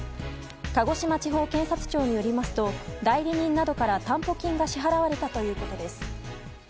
鹿児島県地方検察庁によりますと代理人などから担保金が支払われたということです。